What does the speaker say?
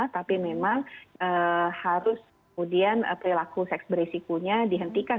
tapi memang harus kemudian perilaku seks beresikonya dihentikan